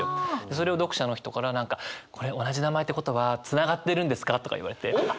それを読者の人から何か「これ同じ名前ってことはつながってるんですか？」とか言われて。